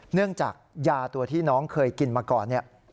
เนื่องจากยาตัวที่น้องเคยกินมาก่อนเนี่ย